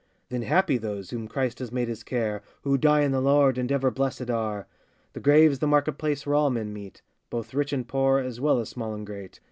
Then happy those whom Christ has made his care, Who die in the Lord, and ever blessèd are. The grave's the market place where all men meet, Both rich and poor, as well as small and great.